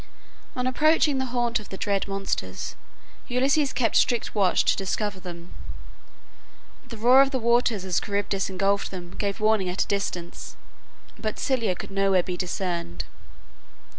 On approaching the haunt of the dread monsters, Ulysses kept strict watch to discover them. The roar of the waters as Charybdis ingulfed them, gave warning at a distance, but Scylla could nowhere be discerned.